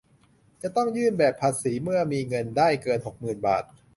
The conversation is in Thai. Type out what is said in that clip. จะต้องยื่นแบบภาษีเมื่อมีเงินได้เกิน หกหมื่น บาท